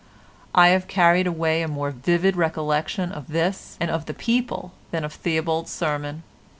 I have carried away a more vivid recollection of this and of the people, than of Theobald's sermon.